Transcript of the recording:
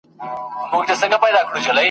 چي انسان خداى له ازله پيدا كړى !.